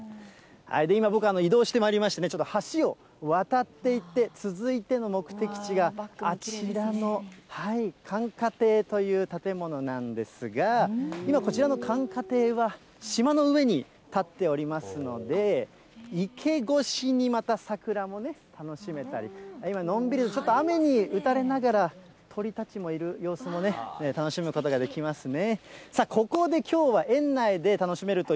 今、僕、移動してまいりましてね、ちょっと橋を渡っていって、続いての目的地が、あちらの涵花亭という建物なんですが、今、こちらの涵花亭は島の上に建っておりますので、池越しにまた桜も楽しめたり、今、のんびり、ちょっと雨に打たれながら、鳥たちもいる様子も楽しむことができますね。